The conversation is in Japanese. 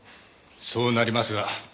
そうなりますが。